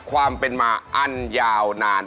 ความเป็นมาอันยาวนาน